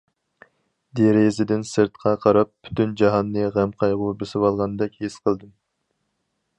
دېرىزىدىن سىرتقا قاراپ، پۈتۈن جاھاننى غەم- قايغۇ بېسىۋالغاندەك ھېس قىلدىم.